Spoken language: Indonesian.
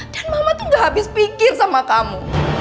dan mama itu tidak habis pikir sama kamu